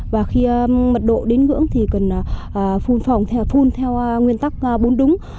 và khi mật độ đến ngưỡng thì cần phun phòng phun theo nguyên tắc bốn đúng